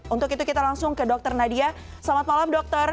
untuk itu kita langsung ke dr nadia selamat malam dokter